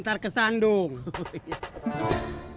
hahaha mau pantun kan